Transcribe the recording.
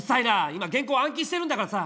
今原稿暗記してるんだからさ